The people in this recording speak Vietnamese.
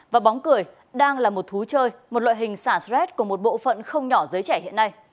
và bóng cười đang là một thú chơi một loại hình xả stress của một bộ phận không nhỏ giới trẻ hiện nay